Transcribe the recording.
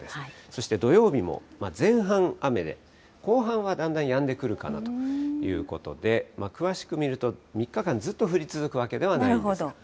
そして土曜日も、前半雨で、後半はだんだんやんでくるかなということで、詳しく見ると、３日間ずっと降り続くわけではないんです。